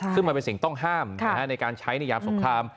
ซึ่งมันเป็นสิ่งต้องห้ามในการใช้ในยามสงคราม